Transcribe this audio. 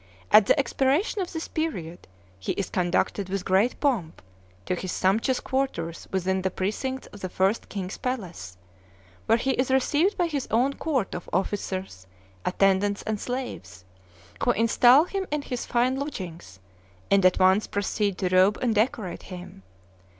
At the expiration of this period he is conducted with great pomp to his sumptuous quarters within the precincts of the first king's palace, where he is received by his own court of officers, attendants, and slaves, who install him in his fine lodgings, and at once proceed to robe and decorate him.